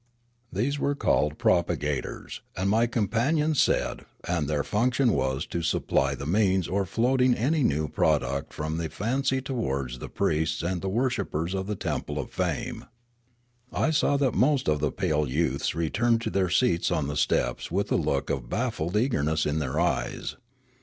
These were called the propagators, my companion said, and their func tion was to supply the means for floating any new product of the fancy towards the priests and the wor shippers of the temple of Fame. I saw that most of the pale youths returned to their seats on the steps with a look of baffled eagerness in their eyes.